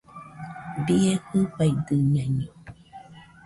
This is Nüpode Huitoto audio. ¡Bie jɨfaidɨñaino!